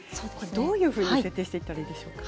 どういうふうに設定していったらいいでしょうか。